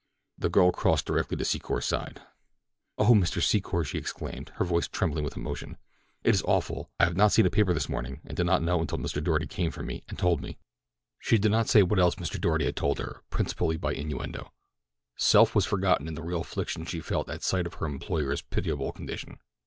The girl crossed directly to Secor's side. "Oh, Mr. Secor," she exclaimed, her voice trembling with emotion. "It is awful. I had not seen a paper this morning and did not know until Mr. Doarty came for me, and told me." She did not say what else Mr. Doarty had told her, principally by innuendo. Self was forgotten in the real affliction she felt at sight of her employer's pitiable condition.